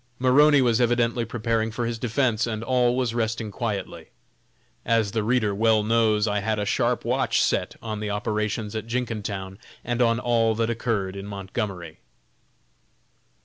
Maroney was evidently preparing for his defense, and all was resting quietly. As the reader well knows I had a sharp watch set on the operations at Jenkintown and on all that occurred in Montgomery.